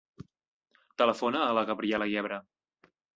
Telefona a la Gabriela Yebra.